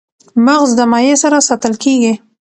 مغز د مایع سره ساتل کېږي.